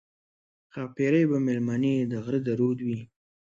ښاپېرۍ به مېلمنې د غره د رود وي